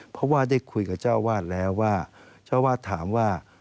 เพราะว่าได้คุยกับเจ้าวาดแล้วว่าเจ้าวาดถามว่า